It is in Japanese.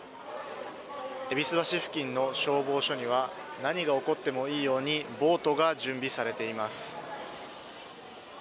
戎橋付近の消防署には何が起こってもいいようにボートが準備されています。